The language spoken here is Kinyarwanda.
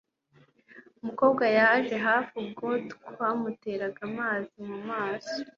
Umukobwa yaje hafi ubwo twamuteraga amazi mumaso